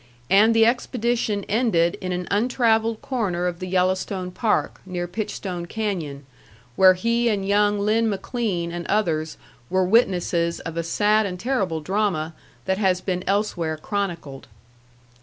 And the expedition ended in an untravelled corner of the Yellowstone Park, near Pitchstone Canyon, where he and young Lin McLean and others were witnesses of a sad and terrible drama that has been elsewhere chronicled.